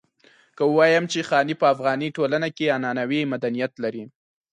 که ووايم چې خاني په افغاني ټولنه کې عنعنوي مدنيت لري.